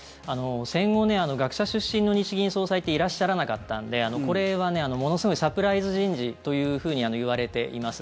戦後学者出身の日銀総裁っていらっしゃらなかったんでこれはものすごいサプライズ人事というふうにいわれています。